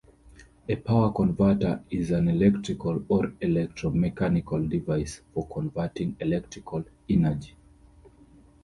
A power converter is an electrical or electro-mechanical device for converting electrical energy.